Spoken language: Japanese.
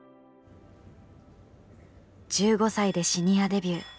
１５歳でシニアデビュー。